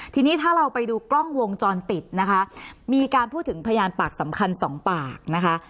ทีนี้ถ้าเราไปดูกล้องวงจรปิดนะคะมีการพูดถึงพยานปากสำคัญสองปากนะคะ